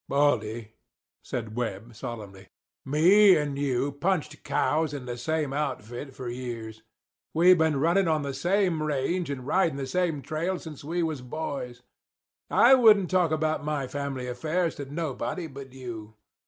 "Baldy," said Webb, solemnly, "me and you punched cows in the same outfit for years. We been runnin' on the same range, and ridin' the same trails since we was boys. I wouldn't talk about my family affairs to nobody but you.